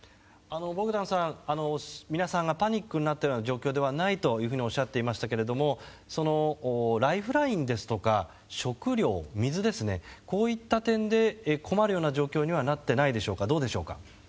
ボグダンさん、皆さんがパニックになっているような状況ではないとおっしゃっていましたがライフラインですとか食料、水こういった点で困るような状況にはなっていないでしょうか？